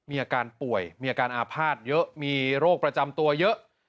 มีอาการป่วยอาภาตโรคประจำตัวเยอะ